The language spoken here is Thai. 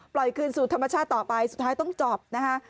คืนสู่ธรรมชาติต่อไปสุดท้ายต้องจบนะคะ